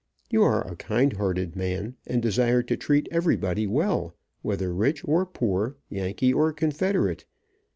You are a kind hearted man, and desire to treat everybody well, whether rich or poor, yankee or confederate.